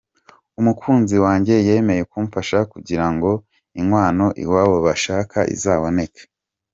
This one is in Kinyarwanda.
Umukunzi wanjye yemeye kumfasha kugira ngo inkwano iwabo bashaka izaboneke”.